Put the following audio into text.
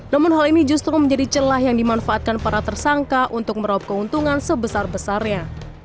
namun hal ini justru menjadi celah yang dimanfaatkan para tersangka untuk meraup keuntungan sebesar besarnya